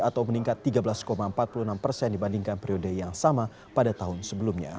atau meningkat tiga belas empat puluh enam persen dibandingkan periode yang sama pada tahun sebelumnya